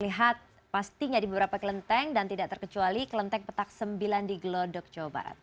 lihat pastinya di beberapa kelenteng dan tidak terkecuali kelenteng petak sembilan di gelodok jawa barat